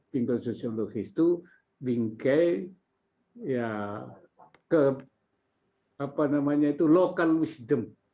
bingkai sosiologis itu bingkai ya ke apa namanya itu local wisdom